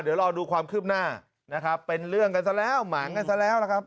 เดี๋ยวรอดูความคืบหน้านะครับเป็นเรื่องกันซะแล้วหมางกันซะแล้วนะครับ